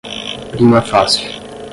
prima facie